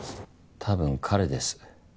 多分彼です。